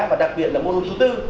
và đặc biệt là mô đun thứ bốn